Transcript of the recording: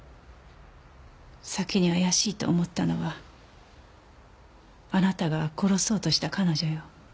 先に怪しいと思ったのはあなたが殺そうとした彼女よ。